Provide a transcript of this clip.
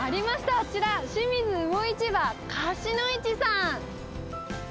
あちら、清水魚市場河岸の市さん。